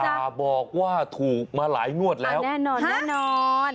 อย่าบอกว่าถูกมาหลายงวดแล้วแน่นอนแน่นอน